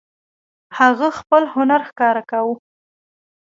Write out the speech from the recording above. هغه خپل هنر ښکاره کاوه.